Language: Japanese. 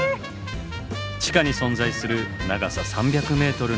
地下に存在する長さ３００ｍの特殊な装置。